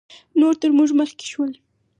نور تر موږ مخکې شول